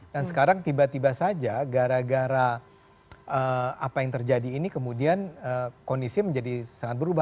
dan sekarang tiba tiba saja gara gara apa yang terjadi ini kemudian kondisi menjadi sangat berubah